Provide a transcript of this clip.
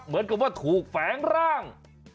เหมือนกับว่าถูกแฝงร่าง